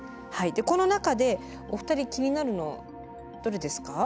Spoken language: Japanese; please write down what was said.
この中でお二人気になるのどれですか？